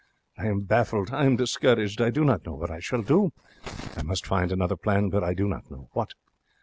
I am baffled. I am discouraged. I do not know what I shall do. I must find another plan, but I do not know what.